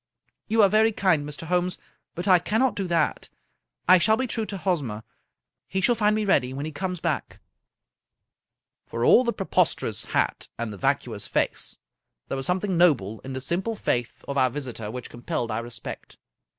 " You are very kind, Mr. Holmes, but I cannot do that. I shall be true to Hosmer. He shall find me ready when he comes back.'* SI Scotch Mystery Stories For all the preposterous hat and the vacuous face, there was something noble in the simple faith of our visitor which compelled our respect.